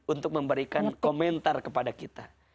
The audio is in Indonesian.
untuk memberikan komentar kepada kita